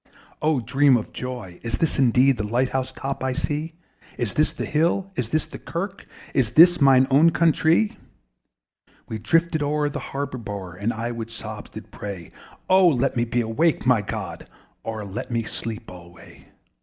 Oh! dream of joy! is this indeed The light house top I see? Is this the hill? is this the kirk? Is this mine own countree! We drifted o'er the harbour bar, And I with sobs did pray O let me be awake, my God! Or let me sleep alway.